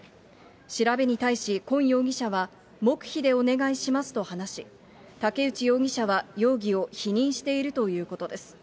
調べに対し、コン容疑者は黙秘でお願いしますと話し、竹内容疑者は容疑を否認しているということです。